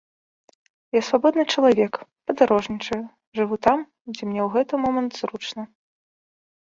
Я свабодны чалавек, падарожнічаю, жыву там, дзе мне ў гэты момант зручна.